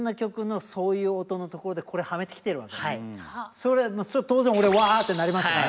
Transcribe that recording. それそれは当然俺わあってなりますね。